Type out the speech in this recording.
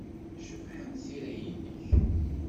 Cebḥent tira-nnek.